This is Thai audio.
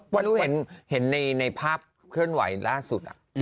ไม่รู้เห็นในภาพเคลื่อนไหวล่าสุดอะ